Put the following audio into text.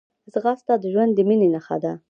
ځغاسته د ژوند د مینې نښه ده